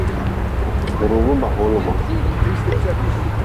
Bi ruugu ba hoolgu.